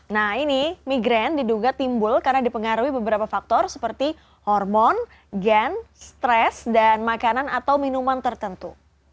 nah ini migran diduga timbul karena dipengaruhi beberapa faktor seperti hormon gen stres dan makanan atau minuman tertentu